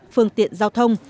phương tiện giao thông